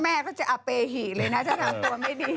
แม่ก็จะอเปหิเลยนะถ้าทำตัวไม่ดี